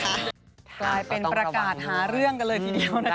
กลายเป็นประกาศหาเรื่องกันเลยทีเดียวนะคะ